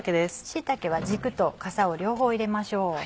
椎茸は軸とかさを両方入れましょう。